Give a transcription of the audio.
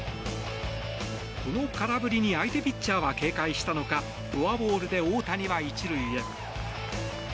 この空振りに相手ピッチャーは警戒したのかフォアボールで大谷は１塁へ。